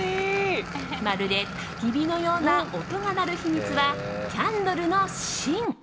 まるで、たき火のような音が鳴る秘密はキャンドルの芯。